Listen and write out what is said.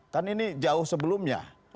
kan ini jauh sebelumnya